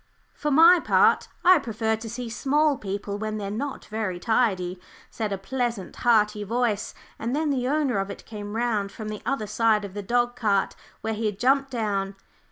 "For my part, I prefer to see small people when they're not very tidy," said a pleasant, hearty voice; and then the owner of it came round from the other side of the dog cart where he had jumped down.